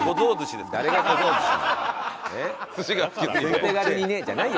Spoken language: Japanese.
「お手軽にね」じゃないよ。